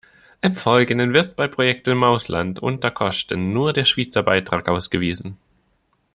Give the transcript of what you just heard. Im Folgenden wird bei Projekten im Ausland unter «Kosten» nur der Schweizer Beitrag ausgewiesen.